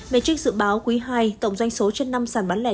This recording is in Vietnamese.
maettic dự báo quý ii tổng doanh số trên năm sản bán lẻ